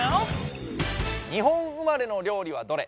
日本生まれの料理はどれ？